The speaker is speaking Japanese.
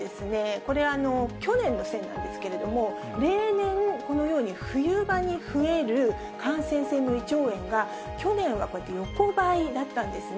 これ、去年の線なんですけれども、例年、このように冬場に増える感染性の胃腸炎が、去年は横ばいだったんですね。